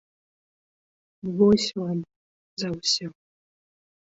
Вось вам за ўсё.